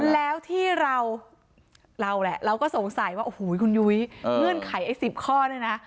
แล้วที่เราเราก็สงสัยว่าคุณยุ๊ยเงื่อนไข๑๐ข้อนึงนะ